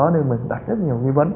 nên mình đặt rất nhiều nghi vấn